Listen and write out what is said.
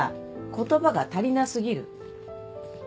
言葉が足りな過ぎる。